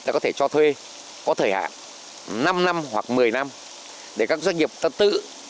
đã có thể cho thuê có thời hạn năm năm hoặc một mươi năm để các doanh nghiệp ta tự